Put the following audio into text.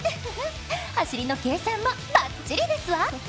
走りの計算もバッチリですわ。